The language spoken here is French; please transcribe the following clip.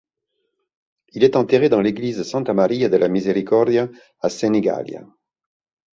Il est enterré dans l'église Santa Maria della Misericordia à Senigallia.